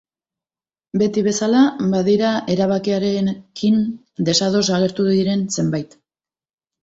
Beti bezala, badira erabakiarekin desados agertu diren zenbait.